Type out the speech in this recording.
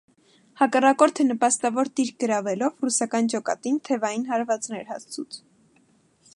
Հակառակորդը, նպաստաւոր դիրք գրաւելով, ռուսական ջոկատին թեւային հարուածներ հասցուց։